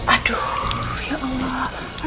aduh ya allah